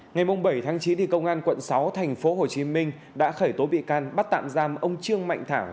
ngày bảy chín công an quận sáu tp hcm đã khởi tố bị can bắt tạm giam ông trương mạnh thảo